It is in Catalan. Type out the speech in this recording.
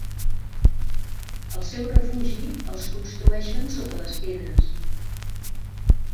El seu refugi els construeixen sota les pedres.